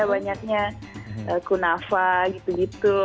banyaknya kunafa gitu gitu